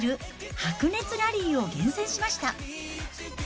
白熱ラリーを厳選しました。